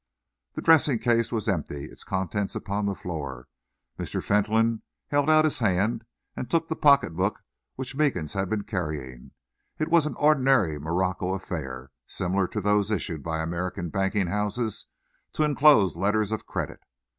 The dressing case was empty, its contents upon the floor. Mr. Fentolin held out his hand and took the pocket book which Meekins had been carrying. It was an ordinary morocco affair, similar to those issued by American banking houses to enclose letters of credit.